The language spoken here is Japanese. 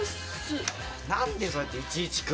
何でそうやっていちいち来るんだよ。